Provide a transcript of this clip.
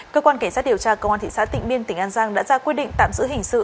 cơ quan cảnh sát điều tra công an thị xã tịnh biên tỉnh an giang đã ra quyết định tạm giữ hình sự